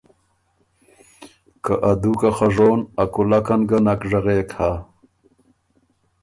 که ا دُوکه خه ژون، ا کُولکن ګه نک ژغېک هۀ“